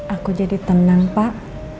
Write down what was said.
aku jadi tenang pak